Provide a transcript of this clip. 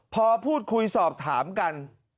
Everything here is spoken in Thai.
พอพูดคุยสอบถามกัน